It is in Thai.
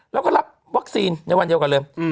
แล้วก็รับวัคซีนในวันเยอะกว่าเริ่ม